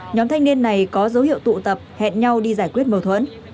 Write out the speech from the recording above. nhóm thanh niên này có dấu hiệu tụ tập hẹn nhau đi giải quyết mâu thuẫn